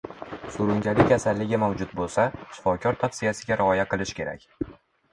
Surunkali kasalligi mavjud bo`lsa, shifokor tavsiyasiga rioya qilish kerak